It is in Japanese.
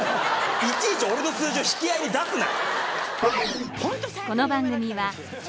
いちいち俺の数字を引き合いに出すな。